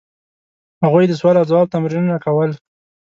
هغوی د سوال او ځواب تمرینونه کول.